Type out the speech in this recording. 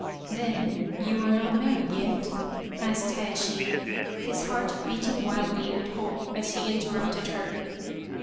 " Then you are not married yet ?" asked Hayashi, his heart beating wildly with hope as he interrupted her.